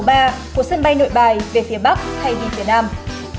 cảm ơn các bạn đã theo dõi và hẹn gặp lại